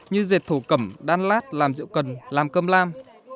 như dệt thổ cẩm đan lát làm rượu cần làm cơm lam